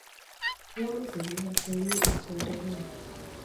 Kiomete bikap koinyuu eng Saudi Arabia